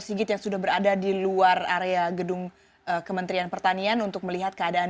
sigit yang sudah berada di luar area gedung kementerian pertanian untuk melihat keadaan